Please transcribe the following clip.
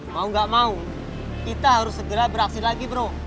mau nggak mau kita harus segera beraksi lagi bro